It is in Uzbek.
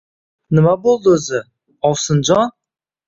Nima bo‘ldi o‘zi, ovsinjon?